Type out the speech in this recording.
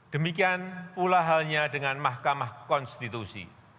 demikian pula halnya dengan mahkamah konstitusi